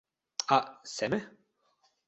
a, seme?